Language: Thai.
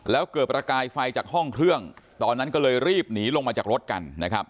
แล้วเกิดประกายไฟจากห้องเครื่องตอนนั้นก็เลยรีบหนีลงมาจากรถกันนะครับ